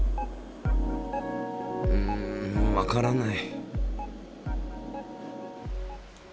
うんわからない。